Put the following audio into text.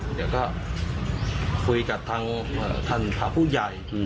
เดี๋ยวก็คุยกับทางท่านพระผู้ใหญ่